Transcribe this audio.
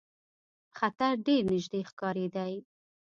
خطر ډېر نیژدې ښکارېدی.